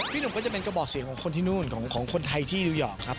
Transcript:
หนุ่มก็จะเป็นกระบอกเสียงของคนที่นู่นของคนไทยที่นิวยอร์กครับ